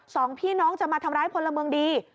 สองพี่น้องจะมาทำร้ายพลเมืองดี